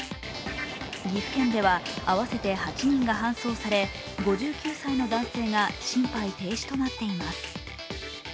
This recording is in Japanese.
岐阜県では合わせて８人が搬送され５９歳の男性が心肺停止となっています。